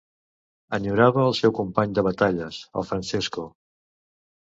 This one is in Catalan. Enyorava el seu company de batalles, el Francesco!